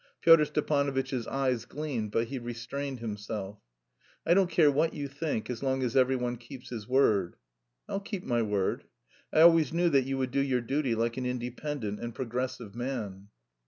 Pyotr Stepanovitch's eyes gleamed, but he restrained himself. "I don't care what you think as long as every one keeps his word." "I'll keep my word." "I always knew that you would do your duty like an independent and progressive man."